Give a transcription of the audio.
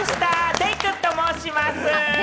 デイくんと申します。